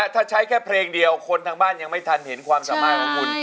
ถ้าใช้แค่เพลงเดียวคนทางบ้านยังไม่ทันเห็นความสามารถของคุณ